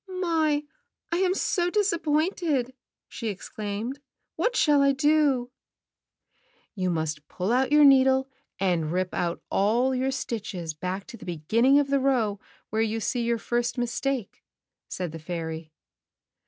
"My, I am so disappointed!" she exclaimed. "WhatshaUIdo?" "You must puU out your needle and rip out all your stitches back to the beginning of the row where you see your first mistake," said the fairy.